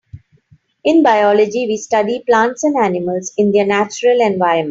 In biology we study plants and animals in their natural environment.